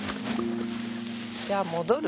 じゃあ戻る？